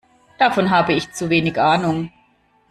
Davon habe ich zu wenig Ahnung.